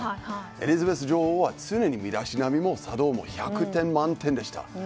エリザベス女王は常に身だしなみも１００点満点でした。